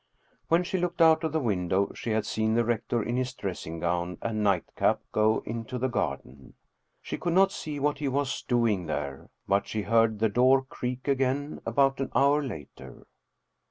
When she looked out of the window she had seen the rector in his dressing gown and nightcap go into the garden. She could not see what he was doing there. But she heard the door creak again about an hour later.